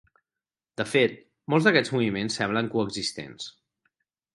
De fet, molt d'aquests moviments semblen coexistents.